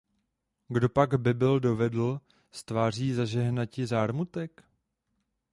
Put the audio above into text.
Kdo pak by byl dovedl z tváří zažehnati zármutek?